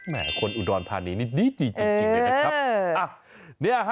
คนอุดรธานีนี่ดีจริงเลยนะครับ